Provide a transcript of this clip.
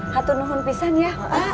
hatunuhun pisan ya pak